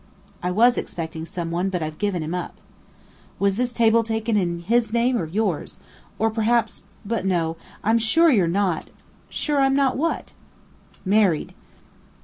"I was expecting someone, but I've given him up." "Was this table taken in his name or yours? Or, perhaps but no, I'm sure you're not!" "Sure I'm not what?" "Married.